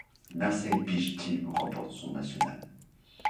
Marseille Beach Team remporte son national.